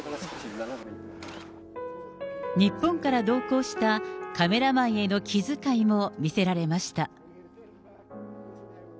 日本から同行したカメラマンへの気遣いも見せられました。